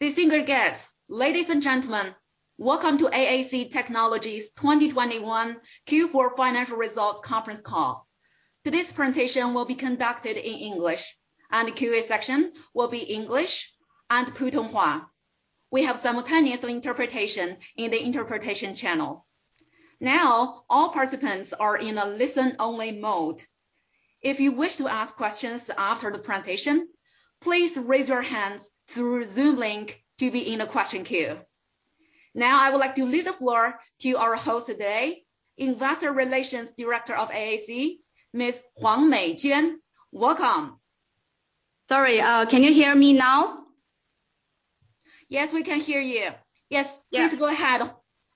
Distinguished guests, ladies and gentlemen, welcome to AAC Technologies' 2021 Q4 financial results conference call. Today's presentation will be conducted in English, and the Q&A section will be English and Putonghua. We have simultaneous interpretation in the interpretation channel. Now, all participants are in a listen-only mode. If you wish to ask questions after the presentation, please raise your hands through Zoom link to be in the question queue. Now, I would like to leave the floor to our host today, Investor Relations Director of AAC Technologies, Miss Maggie Huang. Welcome. Sorry, can you hear me now? Yes, we can hear you. Yes. Please go ahead,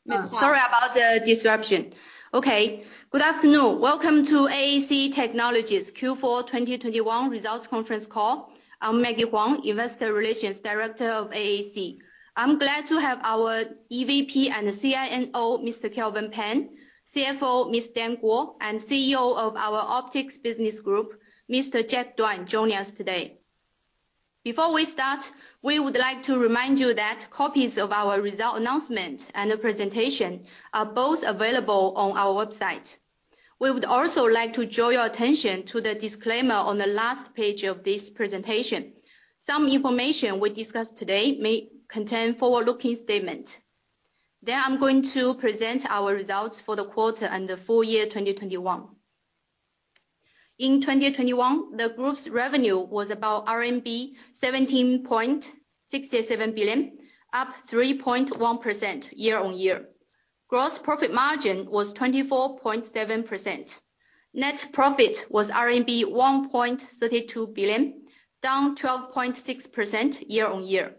Miss Huang. Sorry about the disruption. Good afternoon. Welcome to AAC Technologies' Q4 2021 results conference call. I'm Maggie Huang, Investor Relations Director of AAC. I'm glad to have our EVP and CIO, Mr. Kelvin Pan, CFO, Miss Dan Guo, and CEO of our Optics Business Group, Mr. Jack Duan, join us today. Before we start, we would like to remind you that copies of our result announcement and the presentation are both available on our website. We would also like to draw your attention to the disclaimer on the last page of this presentation. Some information we discuss today may contain forward-looking statement. I'm going to present our results for the quarter and the full year 2021. In 2021, the group's revenue was about RMB 17.67 billion, up 3.1% year-over-year. Gross profit margin was 24.7%. Net profit was RMB 1.32 billion, down 12.6% year-on-year.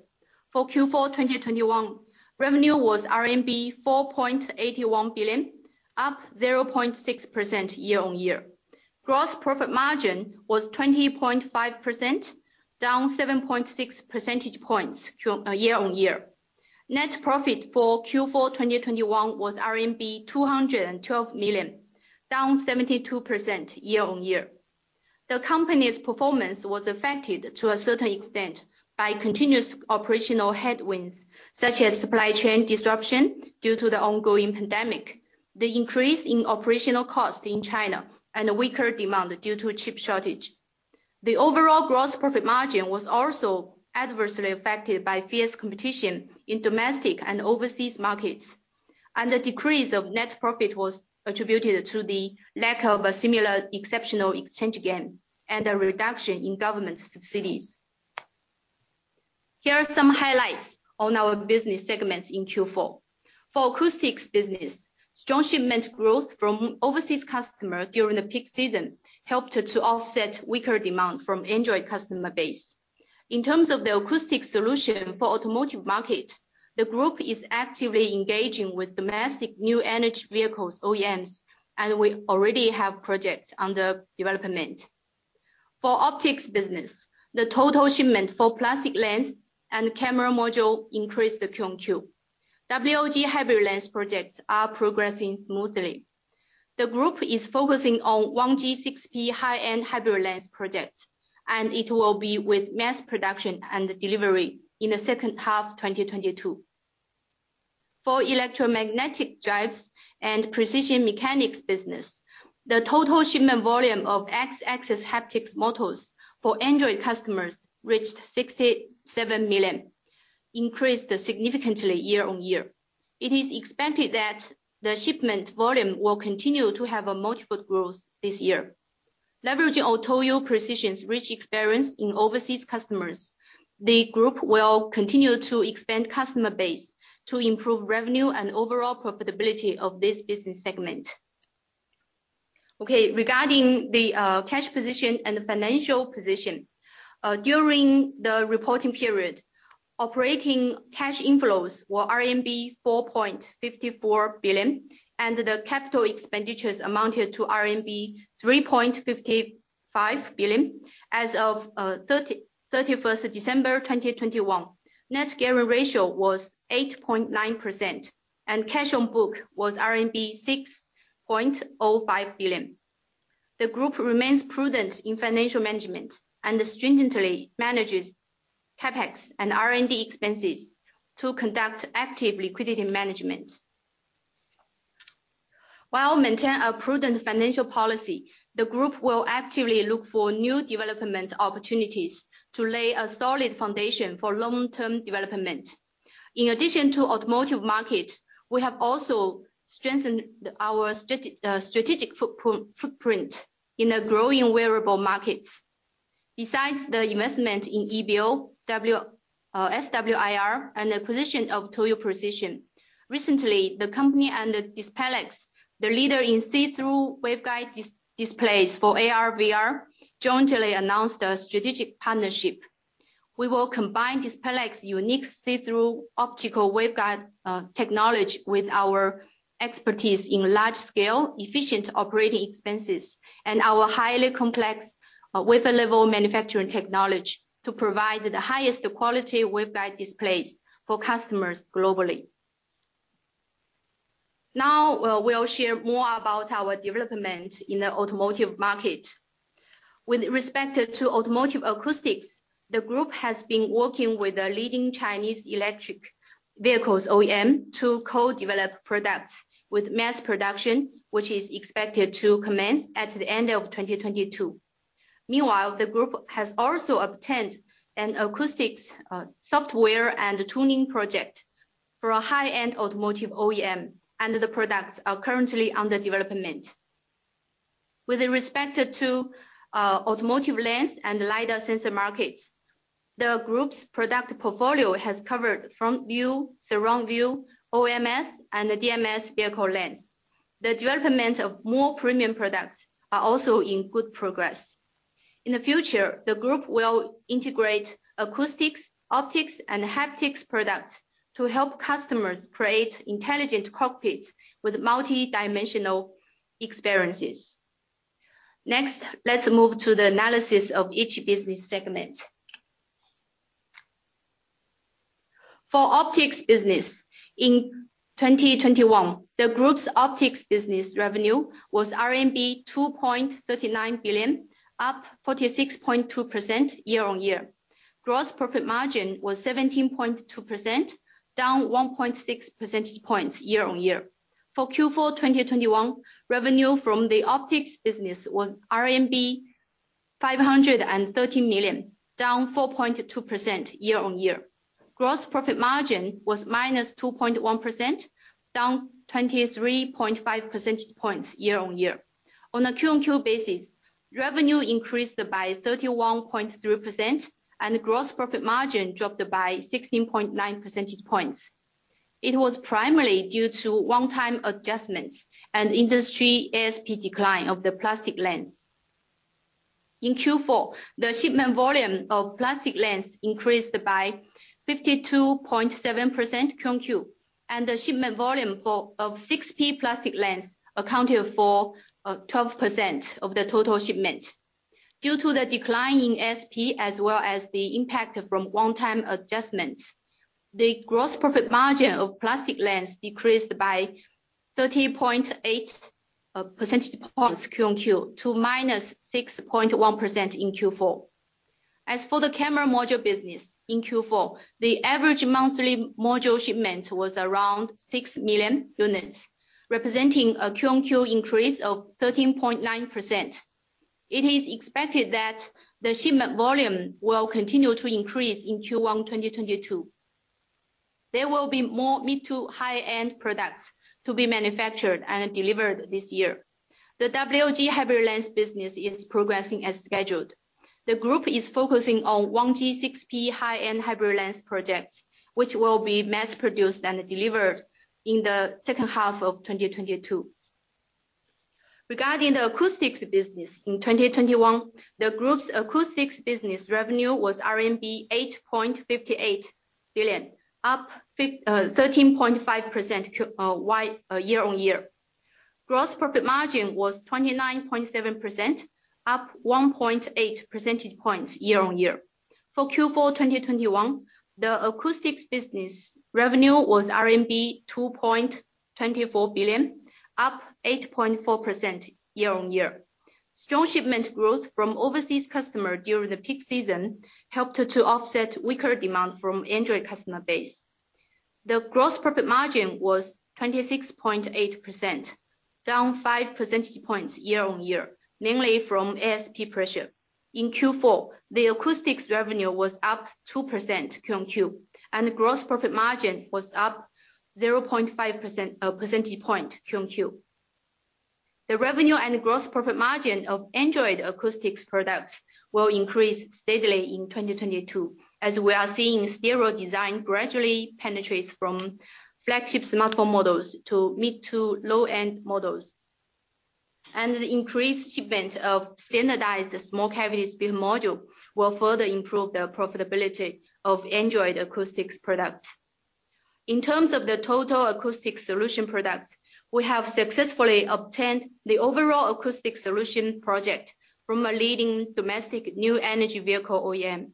For Q4 2021, revenue was RMB 4.81 billion, up 0.6% year-on-year. Gross profit margin was 20.5%, down 7.6 percentage points year-on-year. Net profit for Q4 2021 was RMB 212 million, down 72% year-on-year. The company's performance was affected to a certain extent by continuous operational headwinds such as supply chain disruption due to the ongoing pandemic, the increase in operational cost in China, and weaker demand due to chip shortage. The overall gross profit margin was also adversely affected by fierce competition in domestic and overseas markets, and the decrease of net profit was attributed to the lack of a similar exceptional exchange gain and a reduction in government subsidies. Here are some highlights on our business segments in Q4. For acoustics business, strong shipment growth from overseas customer during the peak season helped to offset weaker demand from Android customer base. In terms of the acoustic solution for automotive market, the group is actively engaging with domestic new energy vehicles, OEMs, and we already have projects under development. For optics business, the total shipment for plastic lens and camera module increased quarter-on-quarter. WLG hybrid lens projects are progressing smoothly. The group is focusing on 1G6P high-end hybrid lens projects, and it will be with mass production and delivery in the second half 2022. For electromagnetic drives and precision mechanics business, the total shipment volume of X-axis haptic motors for Android customers reached 67 million, increased significantly year-on-year. It is expected that the shipment volume will continue to have a multi-fold growth this year. Leveraging on Toyo Precision's rich experience in overseas customers, the group will continue to expand customer base to improve revenue and overall profitability of this business segment. Okay, regarding the cash position and the financial position. During the reporting period, operating cash inflows were RMB 4.54 billion, and the capital expenditures amounted to RMB 3.55 billion. As of 31st of December, 2021, net gearing ratio was 8.9%, and cash on book was RMB 6.05 billion. The group remains prudent in financial management and stringently manages CapEx and R&D expenses to conduct active liquidity management. While maintain a prudent financial policy, the group will actively look for new development opportunities to lay a solid foundation for long-term development. In addition to automotive market, we have also strengthened our strategic footprint in the growing wearable markets. Besides the investment in Ibeo, SWIR and acquisition of Toyo Precision. Recently, the company and Dispelix, the leader in see-through waveguide displays for AR/VR, jointly announced a strategic partnership. We will combine Dispelix's unique see-through optical waveguide technology with our expertise in large scale, efficient operations and our highly complex wafer level manufacturing technology to provide the highest quality waveguide displays for customers globally. Now, we'll share more about our development in the automotive market. With respect to automotive acoustics, the group has been working with the leading Chinese electric vehicles OEM to co-develop products with mass production, which is expected to commence at the end of 2022. Meanwhile, the group has also obtained an acoustics, software and tuning project for a high-end automotive OEM, and the products are currently under development. With respect to, automotive lens and lidar sensor markets, the group's product portfolio has covered front view, surround view, OMS, and the DMS vehicle lens. The development of more premium products are also in good progress. In the future, the group will integrate acoustics, optics, and haptics products to help customers create intelligent cockpits with multi-dimensional experiences. Next, let's move to the analysis of each business segment for Optics business. In 2021, the group's Optics business revenue was RMB 2.39 billion, up 46.2% year-on-year. Gross profit margin was 17.2%, down 1.6 percentage points year-on-year. For Q4 2021, revenue from the optics business was RMB 530 million, down 4.2% year-on-year. Gross profit margin was -2.1%, down 23.5 percentage points year-on-year. On a Q-on-Q basis, revenue increased by 31.3%, and gross profit margin dropped by 16.9 percentage points. It was primarily due to one-time adjustments and industry ASP decline of the plastic lens. In Q4, the shipment volume of plastic lens increased by 52.7% Q-on-Q. The shipment volume of 6P plastic lens accounted for 12% of the total shipment. Due to the decline in ASP, as well as the impact from one-time adjustments, the gross profit margin of plastic lens decreased by 30.8 percentage points Q-o-Q to -6.1% in Q4. As for the camera module business, in Q4, the average monthly module shipment was around 6 million units, representing a Q-o-Q increase of 13.9%. It is expected that the shipment volume will continue to increase in Q1 2022. There will be more mid- to high-end products to be manufactured and delivered this year. The WLG hybrid lens business is progressing as scheduled. The group is focusing on 1G6P high-end hybrid lens projects, which will be mass produced and delivered in the second half of 2022. Regarding the acoustics business, in 2021, the group's acoustics business revenue was RMB 8.58 billion, up 13.5% year-on-year. Gross profit margin was 29.7%, up 1.8 percentage points year-on-year. For Q4 2021, the acoustics business revenue was RMB 2.24 billion, up 8.4% year-on-year. Strong shipment growth from overseas customer during the peak season helped to offset weaker demand from Android customer base. The gross profit margin was 26.8%, down 5 percentage points year-on-year, mainly from ASP pressure. In Q4, the acoustics revenue was up 2% Q-on-Q. The gross profit margin was up 0.5 percentage point Q-on-Q. The revenue and gross profit margin of Android acoustics products will increase steadily in 2022, as we are seeing stereo design gradually penetrates from flagship smartphone models to mid to low-end models. The increased shipment of standardized small cavity speaker module will further improve the profitability of Android acoustics products. In terms of the total acoustic solution products, we have successfully obtained the overall acoustic solution project from a leading domestic new energy vehicle OEM.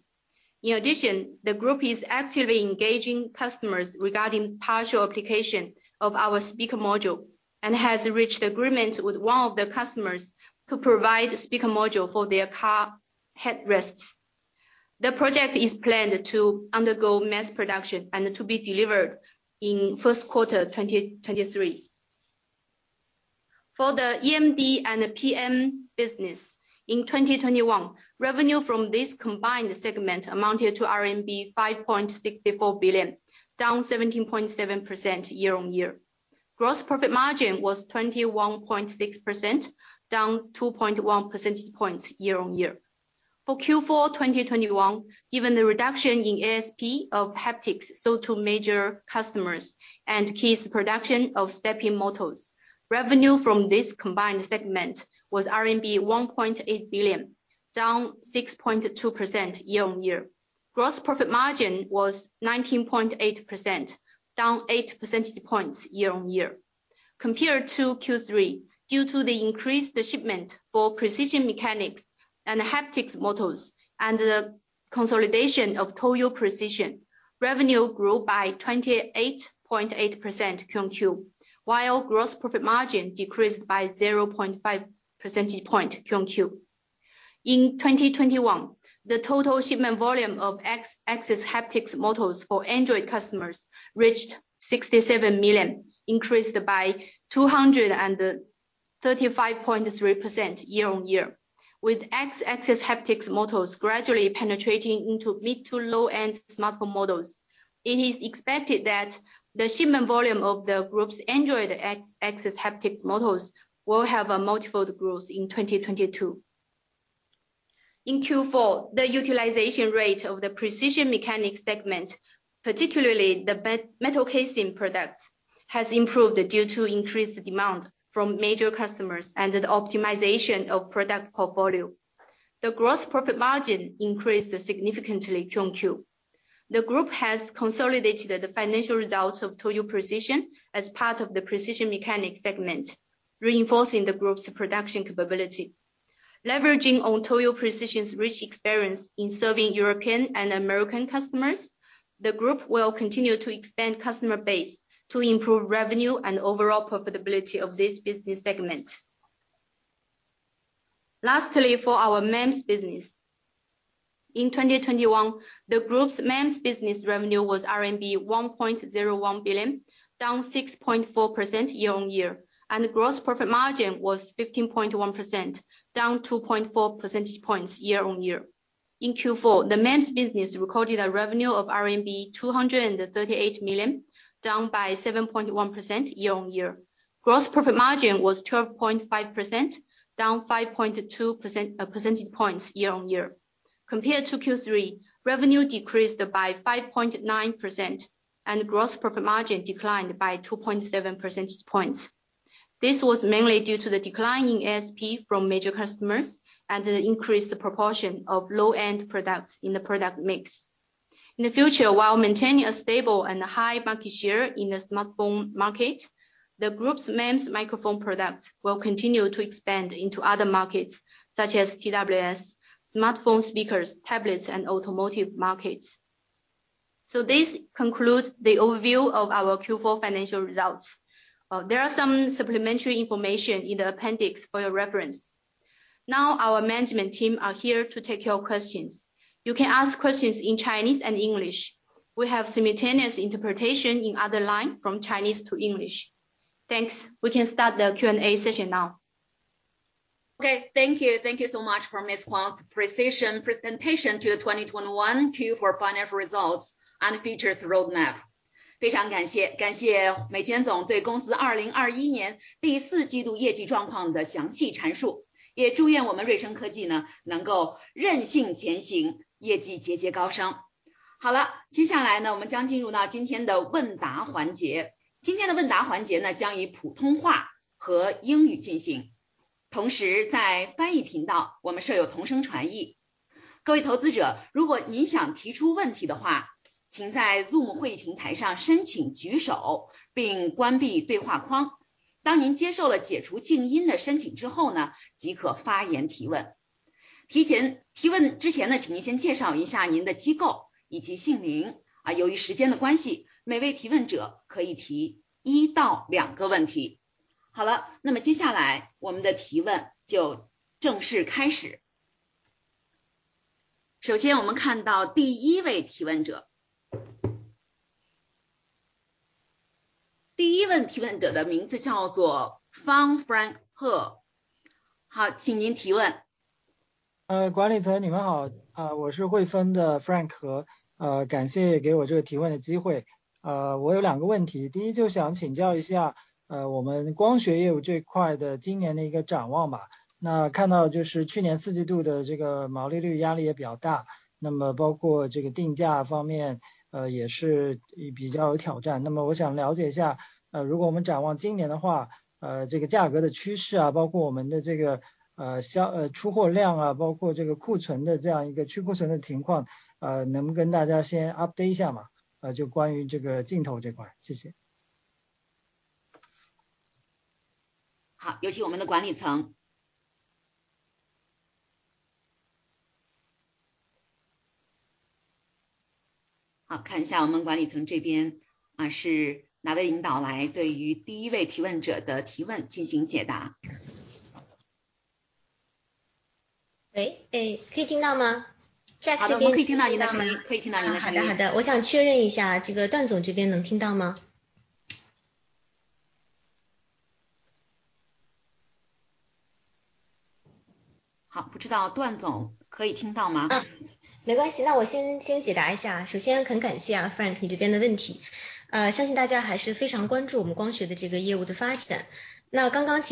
In addition, the group is actively engaging customers regarding partial application of our speaker module and has reached agreement with one of the customers to provide speaker module for their car headrests. The project is planned to undergo mass production and to be delivered in first quarter 2023. For the EMD and PM business, in 2021, revenue from this combined segment amounted to RMB 5.64 billion, down 17.7% year-on-year. Gross profit margin was 21.6%, down 2.1 percentage points year-on-year. For Q4 2021, given the reduction in ASP of haptics sold to major customers and case production of stepping motors, revenue from this combined segment was RMB 1.8 billion, down 6.2% year-on-year. Gross profit margin was 19.8%, down 8 percentage points year-on-year. Compared to Q3, due to the increased shipment for precision mechanics motors and the consolidation of Toyo Precision. Revenue grew by 28.8% year-on-year, while gross profit margin decreased by 0.5 percentage point year-on-year. In 2021, the total shipment volume of X-axis haptic motors for Android customers reached 67 million, increased by 235.3% year-on-year. With X-axis haptic motors gradually penetrating into mid-to-low-end smartphone models, it is expected that the shipment volume of the group's Android X-axis haptic motors will have a multiple growth in 2022. In Q4, the utilization rate of the precision mechanics segment, particularly the metal casing products, has improved due to increased demand from major customers and the optimization of product portfolio. The gross profit margin increased significantly Q-on-Q. The group has consolidated the financial results of Toyo Precision as part of the precision mechanics segment, reinforcing the group's production capability. Leveraging on Toyo Precision's rich experience in serving European and American customers, the group will continue to expand customer base to improve revenue and overall profitability of this business segment. Lastly, for our MEMS business, in 2021, the group's MEMS business revenue was RMB 1.01 billion, down 6.4% year-over-year, and gross profit margin was 15.1%, down 2.4 percentage points year-over-year. In Q4, the MEMS business recorded a revenue of RMB 238 million, down by 7.1% year-over-year. Gross profit margin was 12.5%, down 5.2 percentage points year-over-year. Compared to Q3, revenue decreased by 5.9% and gross profit margin declined by 2.7 percentage points. This was mainly due to the declining ASP from major customers and an increased proportion of low-end products in the product mix. In the future, while maintaining a stable and high market share in the smartphone market, the group's MEMS microphone products will continue to expand into other markets such as TWS, smartphone speakers, tablets, and automotive markets. This concludes the overview of our Q4 financial results. There are some supplementary information in the appendix for your reference. Now our management team are here to take your questions. You can ask questions in Chinese and English. We have simultaneous interpretation in other line from Chinese to English. Thanks. We can start the Q&A session now. Okay, thank you. Thank you so much for Ms. Huang's precision presentation to the 2021 Q4 financial results and features roadmap。非常感谢，感谢黄总对公司2021年第四季度业绩状况的详细阐述，也祝愿我们瑞声科技呢能够任性前行，业绩节节高升。好了，接下来呢，我们将进入到今天的问答环节。今天的问答环节呢，将以普通话和英语进行。同时在翻译频道我们设有同声传译。各位投资者，如果您想提出问题的话，请在Zoom会平台上申请举手并关闭对话框。当您接受了解除静音的申请之后呢，即可发言提问。提问之前呢，请您先介绍一下您的机构以及姓名。由于时间的关系，每位提问者可以提一到两个问题。好了，那么接下来我们的提问就正式开始。首先我们看到第一位提问者。第一位提问者的名字叫做Frank He。好，请您提问。管理层你们好，我是汇丰的Frank He，感谢给我这个提问的机会。我有两个问题，第一就想请教一下，我们光学业务这一块的今年的一个展望吧。看到就是去年四季度的这个毛利率压力也比较大，那么包括这个定价方面也是比较有挑战。那么我想了解一下，如果我们展望今年的话，这个价格的趋势啊，包括我们的这个出货量啊，包括这个库存的这样一个去库存的情况，能跟大家先update一下吗？就关于这个镜头这块，谢谢。好，有请我们的管理层。好，看一下我们管理层这边啊，是哪位领导来对于第一位提问者的提问进行解答。喂，诶，可以听到吗？Jack 这边—— 好的，我们可以听到你的声音，可以听到你的声音。好的，我想确认一下，段总这边能听到吗？ 好，不知道段总可以听到吗？ 没关系，那我先解答一下。首先很感谢 Frank 你这边的问题，相信大家还是非常关注我们光学的这个业务的发展。那刚刚其实在这个业绩的 PPT 里也提到了光学在 Q4 Q on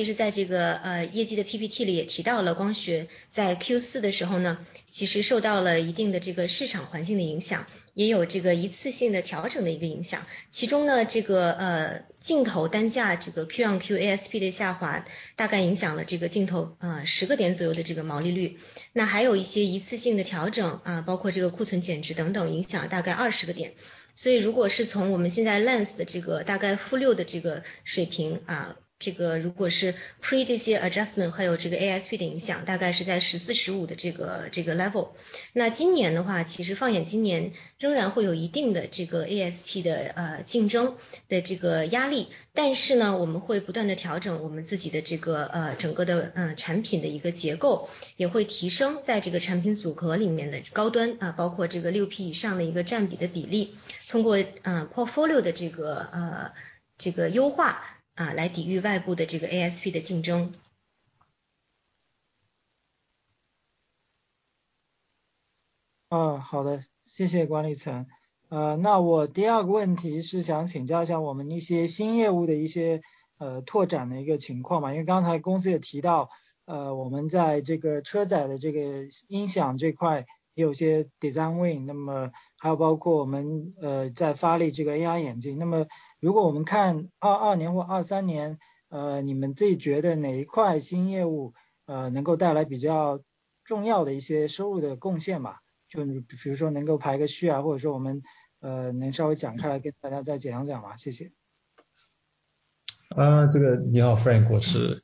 Q ASP 的下滑，大概影响了这个镜头十个点左右的这个毛利率。那还有一些一次性的调整，包括这个库存减值等等，影响了大概二十个点。所以如果是从我们现在 lens 的这个大概负六的这个水平，这个如果是 pre 这些 adjustment，还有这个 ASP 的影响，大概是在十四、十五的这个 level。那今年的话，其实放眼今年仍然会有一定的这个 ASP 的竞争的这个压力，但是我们会不断地调整我们自己的这个整个的产品的一个结构，也会提升在这个产品组合里面的高端，包括这个 6P 以上的一个占比的比例，通过 portfolio 的这个优化，来抵御外部的这个 ASP 的竞争。好的，谢谢管理层。那我第二个问题是想请教一下我们一些新业务的拓展情况吧。因为刚才公司也提到，我们在这个车载的音响这块也有些design win，还有包括我们在发力这个AI引擎。那么如果我们看2022年或2023年，你们自己觉得哪一块新业务能够带来比较重要的一些收入的贡献吗？比如说能够排个序，或者说我们能稍微讲出来跟大家再简单讲讲吗？谢谢。你好 Frank，我是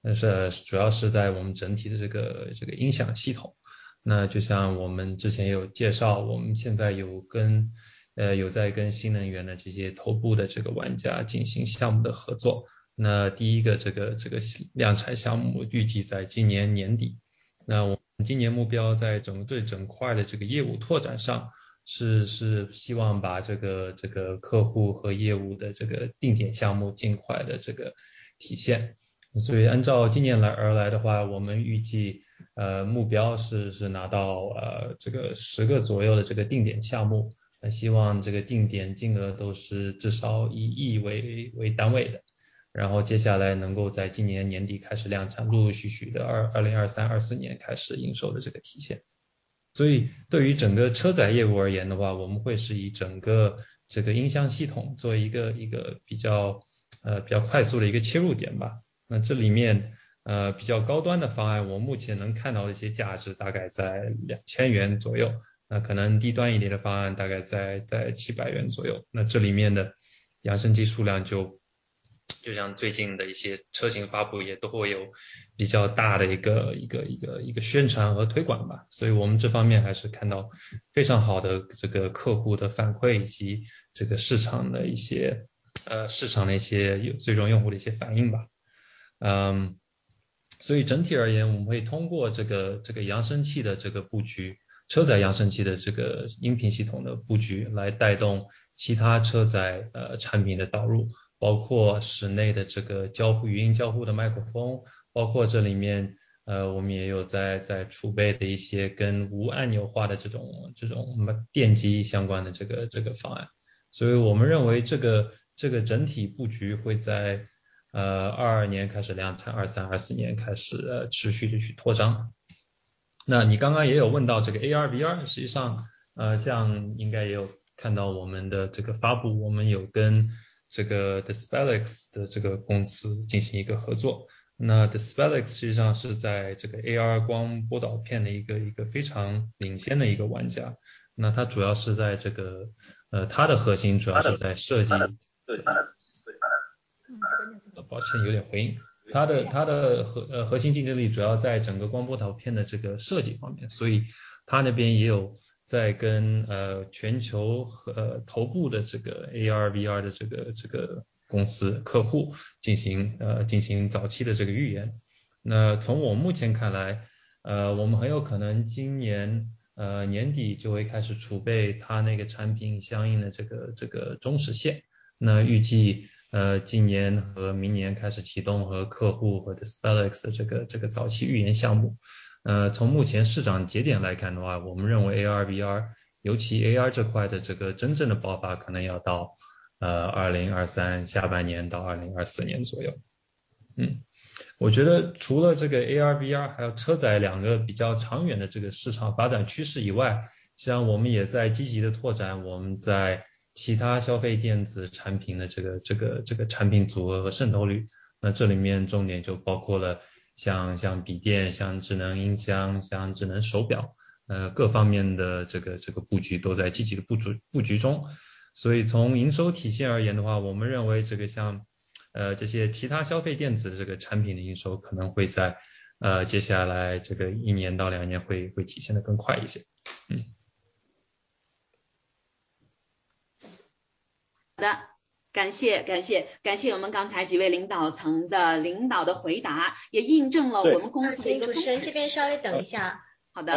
Kelvin。实际上我们在这个新的市场方面，现在最高优先级的实际上是我们的车载业务。我相信大家也都知道，中国新能源车的渗透率在2022年1月份已经高达19%了。所以我们认为新能源车的产品形态的升级已经非常确切地在发生了。那我们在这里面主要的布局，主要是在我们整体的音响系统，就像我们之前有介绍，我们现在有在跟新能源的这些头部的玩家进行项目的合作。那第一个量产项目预计在今年年底，那我们今年目标在整块的业务拓展上，是希望把这个客户和业务的定点项目尽快地体现。所以按照今年来的话，我们预计目标是拿到十个左右的定点项目，希望这个定点金额都是至少以亿为单位的，然后接下来能够在今年年底开始量产，陆陆续续地2023、2024年开始营收的体现。所以对于整个车载业务而言的话，我们会是以整个音响系统做一个比较快速的切入点吧。那这里面比较高端的方案，我目前能看到的一些价值大概在RMB AR/VR，实际上像应该也有看到我们的发布，我们有跟 Dispelix 的公司进行合作。那 Dispelix 实际上是在 AR 光波导片的一个非常领先的玩家，那它主要是在，它的核心竞争力主要在整个光波导片的设计方面，所以它那边也有在跟全球头部的 AR/VR 的公司客户进行早期的预研。那从我目前看来，我们很有可能今年年底就会开始储备它那个产品相应的中试线，那预计今年和明年开始启动和客户或者 Dispelix 的早期预研项目。从目前市场节点来看的话，我们认为 AR/VR，尤其 AR 这块的真正的爆发可能要到2023年下半年到2024年左右。我觉得除了 AR/VR 好的，感谢，感谢，感谢我们刚才几位领导层的领导的回答，也印证了我们公司 Right. 请主持人这边稍微等一下。好的。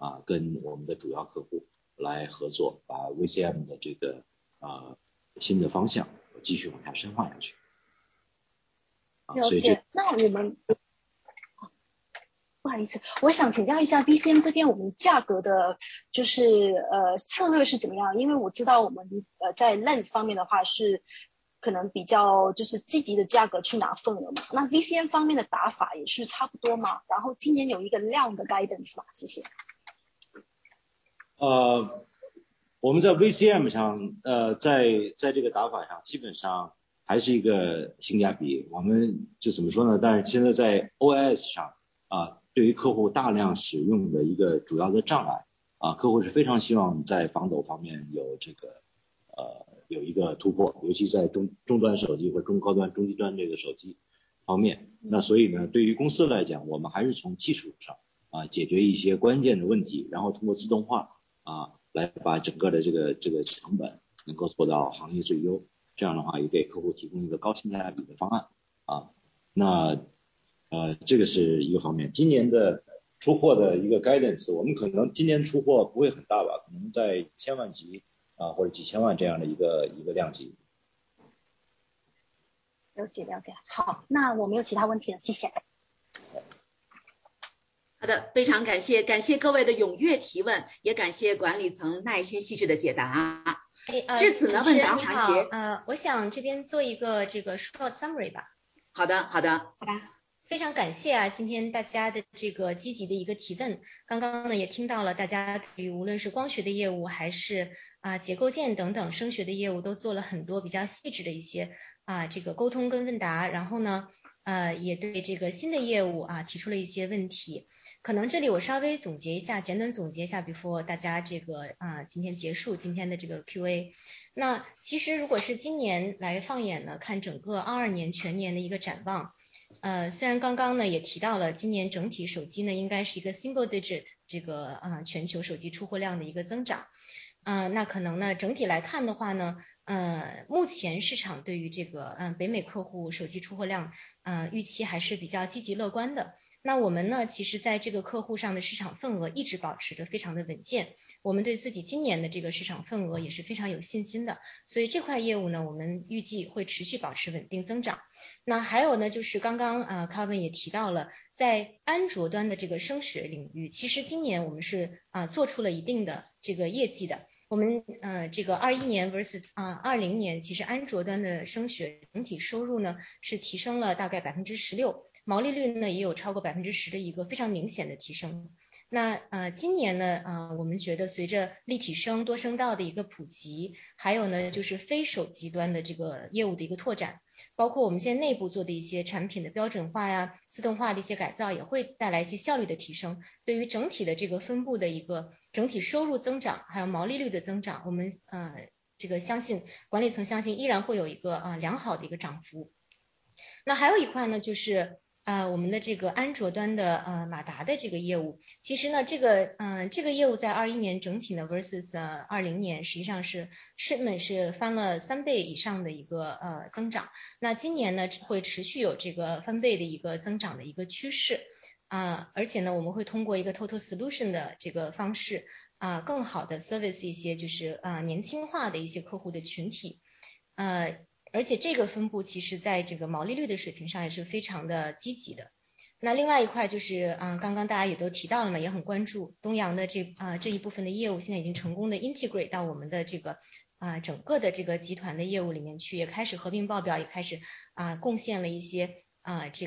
不好意思。这边稍等。对，我的这个电话可能 在接入的时候有点问题，所以Frank，我来补充一下刚才那个我们郭丹总来回答您光学的一个问题哈。那从光学今年的展望上来讲呢，我觉得我们还是一个努力扩大我们市场的份额，和努力做深我们现在的客户的一个base，在我们这个现有的手机业务。那对于整个的出货量的增长，我还是非常的有信心，和是非常的看好的。那在这个库存方面，刚刚我看了这个价格和毛利已经讲了，那在库存方面呢，我们在Q4的时候差不多在六到七个月的一个库存，在三亿支左右。那经过一个季度的努力，我们已经把它降到了差不多在四到五个月的样子。那到年底的时候呢，我们争取把库存能够控制在三个月的这样的一个范围，这是我们的一个目标。好的，谢谢。OK. 谢谢我们管理层刚才几位领导的解答。我们通过他们的解答呢，也正看出了公司的一个宗旨，就是创新驱动发展。谢谢，再次感谢。接下来我们来进入到第二个问题的提出。第二个问题的提出来自于黄乐平。好，请您提问。哎，我听得到吗？ 好，可以听到您的声音。各位领导，大家好，我是华泰的黄乐平，就是有两个问题，第一个问题就还是关于光学的问题，就是我比较吃惊，光学的毛利是负的，就是我不知道这是... 能不能帮我拆一下这个负的原因到底是什么。然后因为那天上午你们的同业也报了业绩，就是感觉我有同样的感受，就是整个光学镜头的生意，用现在比较流行的词，好像比较内卷的感觉，就整体毛利率下滑得比较厉害，就大家做Android手机，然后整体量不好，然后大家…… 我不知道为什么大家的毛利率都下得那么快，就是今年特别那个台湾的厂商有进来做，怎么看，就是光学塑料镜头这块业务的今年计划怎么打，就是，这是因为你们也，你们本来也计划要到A股上市嘛，就是这个，这个问题。然后还有一个就是讲了很多年的那个WLG的问题，就WLG不知道现在的进展怎么样，就是公司就是有没有什么，就是新的客户导入的情况，谢谢。那我们这个Q4的毛利，因为下降基本上最主要的原因，还是我们Q4的库存的调整，就是刚才丹总也讲了，这个毛利。那从今年展望来讲，我们看到这个整个的市场，确实竞争还是比较激烈的，那ASP还是有一个压力在这里。但是对于我们来讲，其实我们做的几点，我们第一个，主要是在刚才我讲的就是我们现在的客户，增强这个策略合作，这增强策略合作对我们的好处是什么呢？就是我们的结构，我们镜头的结构会继续往上走，就是增强我们6P的出货量，包括7P份额的获取，还有包括这个G+P的份额的获取，这个会对我们的ASP产生一个相对正面的影响。那另外一个，就是这个毛利的问题是，在成本上面，我们还是增强我们的技术的深化，从设计上来看这个毛利，然后还有包括一个我们经营运营，经营运营我们今年做，我们在过去几年的一个很快速的发展，那我们有很多经营运营的事情是可以做的，这部分今年我们全要先来把经营运营的部分打造好，那这个对我们的毛利的…… 对我们成本的下降是非常有好处的。那所以这两个，一个是我们调结构，跟客户加强这个现有客户的关系，另外一个是经营运营，还有一个是我们技术的持续发展。那另外一个在，也是我们在海外这些客户，也要有一个，尤其是在韩国的客户会有一个发展，那这样的话呢，我们客户的类型会更加均衡，那这个对我们的ASP也是有一个相对正面的影响。那我们的目标还是通过我们这个，无论是调结构也好，增客户也好，还是降成本，我们把毛利控制在我们去年甚至更好的水平。去年就是我们去年这个水平在二十几的25%左右的这样的一个毛利，我们看今年能够回到一个更加好的水平。黄总，这个不知道，就是对您的这个—— 关于那个就是，一个是你把你的库存的那个write off去掉以后，你实际的毛利在什么样的水平，特别是有没有可能拆一下镜头和模组，这是一个。然后第二就是你的WLG的那个情况是什么样的情况，就是你的WLG的出货的情况，或者说你的客户导入的情况又怎么样。库存拆掉的这个…… 库存的一次性调整影响差不多我们20个点的这个毛利。那在这个我们整个光学的这业务里面，我们模组现在的水平应该是在single digit这样的一个毛利，应该是不到5个点的这样的一个毛利。但是今年呢，我们看经营运营一些举措下去能不能变得，就是我们有信心看能不能回到5到10个点这样的一个水平。那WLG的话呢，我们今年WLG已经起来了，那今年我WLG出货的目标呢，是超过千万只的这样WLG的这个hybrid lens的出货，那WLG单镜片的出货肯定还要比这个更多，那我们是卖给我们自己嘛。那这部分我觉得今年下半年我们会看到两个大的平台的一个出货，在可能超过一个，可能两个以上的这样的一个主要客户，都会采用这个WLG的这个hybrid lens。谢谢，谢谢。我可能去回答一下这个乐平这个问题啊。刚刚其实，段总这边也讲了嘛，lens这边其实刚刚我在第一题的时候，其实刚刚其实有提到过，lens这边呢，其实Q4是大概负的6%的这个水平，其中呢，刚刚段总有讲过，这个一次性的一些调整影响了大概二十个点。然后呢，另外还有一部分呢，是Q on Q来看的话，是由于这个ASP的一个影响，ASP的Q on Q的影响impact大概十个点。所以，这个其实是我们对于整个Q4的一个分解吧。那看整个全年，今年的一个预期，刚刚Jack也讲了，其实有很多的举措，一方面呢，是我们内部技术的一个提升，那可以驱动我们做更好的一个产品结构组合的一个优化，那就会把其中我们的target是把其中一些高端的产品能够导入，并且提升这个占比，来抵御外部的这个ASP的一个竞争的一个压力。那另外，也讲到了嘛，WLG现在今年也是有量产的一个规划，到千万级的这个规模，现在的客户对这方面还是非常有兴趣、有信心的。所以整体我们，面向今年的话，我们觉得，今年整体如果是看lens这个毛利的一个水平，我们肯定是要target不能低于这个，就是整个2021年全年的这个水平嘛，2021年全年水平大概在，整个lens这边大概在25左右。谢谢。好，谢谢。